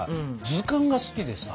図鑑が好きでさ。